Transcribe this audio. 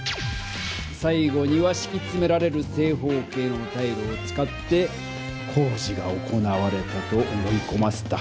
さい後にはしきつめられる正方形のタイルを使って工事が行われたと思いこませた。